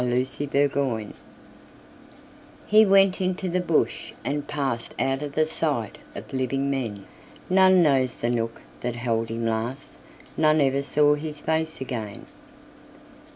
C. Smith The Waif HE went into the bush, and passedOut of the sight of living men, None knows the nook that held him last, None ever saw his face again.